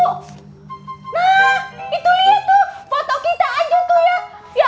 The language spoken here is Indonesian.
nah itu lihat tuh foto kita aja tuh ya